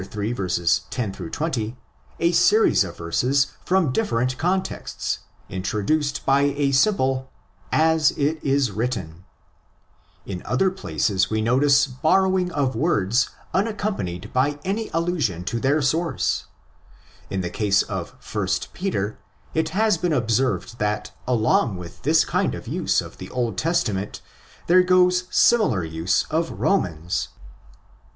10 20 a series of verses from different contexts introduced by a simple '' as it is written"; in other places we notice borrowing of words unaccompanied by any allusion to their source. In the case of 1 Peter it has been observed that along with this WHENCE CAME THE EPISTLE? 141 kind of use of the Old Testament there goes similar use of Romans.